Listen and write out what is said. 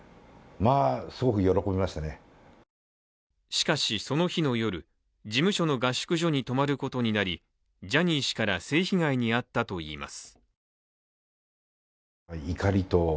しかし、その日の夜、事務所の合宿所に泊まることになりジャニー氏から性被害に遭ったといいます。